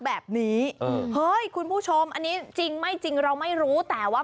แบบนี้เออเฮ้ยคุณผู้ชมอันนี้จริงไม่จริงเราไม่รู้แต่ว่า